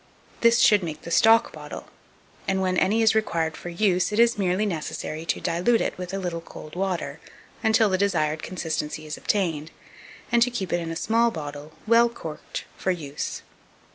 This should make the stock bottle, and when any is required for use, it is merely necessary to dilute it with a little cold water until the desired consistency is obtained, and to keep it in a small bottle, well corked, for use.